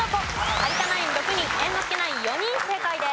有田ナイン６人猿之助ナイン４人正解です。